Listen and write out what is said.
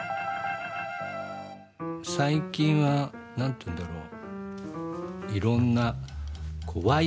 最近はなんていうんだろう